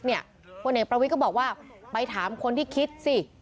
คนเอกประวิทย์ก็บอกว่าไปถามคนที่คิดสิ